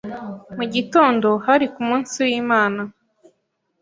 Mu gitondo hari ku munsi w’ Imana,